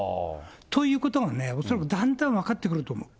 ということがね、恐らくだんだん分かってくると思う。